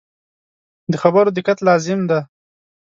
د خبرو دقت لازم دی.